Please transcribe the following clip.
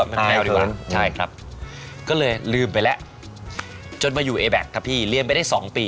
ไม่รู้อะ